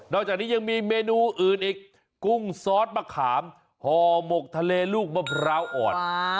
จากนี้ยังมีเมนูอื่นอีกกุ้งซอสมะขามห่อหมกทะเลลูกมะพร้าวอ่อน